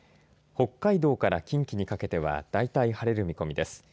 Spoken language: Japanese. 北海道から近畿にかけては大体、晴れる見込みです。